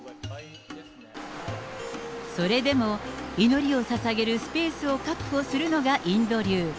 それでも祈りをささげるスペースを確保するのがインド流。